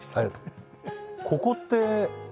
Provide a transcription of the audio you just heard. ここって。